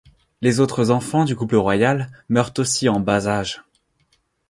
Les autres enfants du couple royal meurent aussi en bas âge.